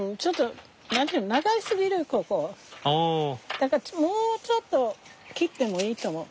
だからもうちょっと切ってもいいと思う。